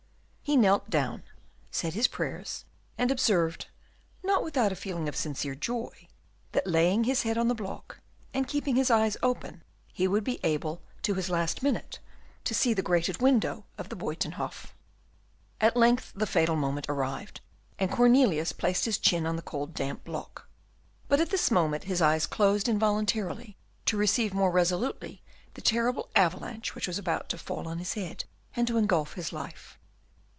He knelt down, said his prayers, and observed, not without a feeling of sincere joy, that, laying his head on the block, and keeping his eyes open, he would be able to his last moment to see the grated window of the Buytenhof. At length the fatal moment arrived, and Cornelius placed his chin on the cold damp block. But at this moment his eyes closed involuntarily, to receive more resolutely the terrible avalanche which was about to fall on his head, and to engulf his life.